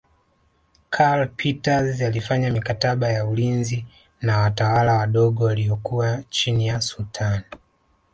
Karl Peters alifanya mikataba ya ulinzi na watawala wadogo waliokuwa chini ya Sultani